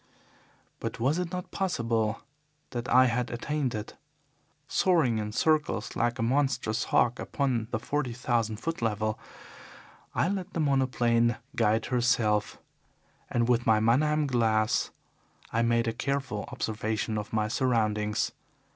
But was it not possible that I had attained it? Soaring in circles like a monstrous hawk upon the forty thousand foot level I let the monoplane guide herself, and with my Mannheim glass I made a careful observation of my surroundings.